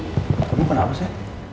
kamu kenapa sayang